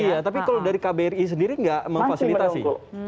iya tapi kalau dari kbri sendiri nggak memfasilitasi